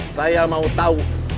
saya mau tahu